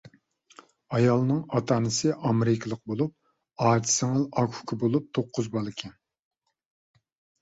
ئايالنىڭ ئاتا-ئانىسى ئامېرىكىلىق بولۇپ، ئاچا-سىڭىل، ئاكا-ئۇكا بولۇپ توققۇز بالىكەن.